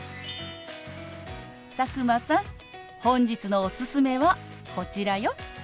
佐久間さん本日のおすすめはこちらよ。